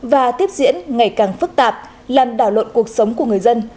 và tiếp diễn ngày càng phức tạp làm đảo lộn cuộc sống của người dân